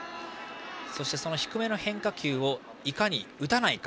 低めの変化球をいかに打たないか。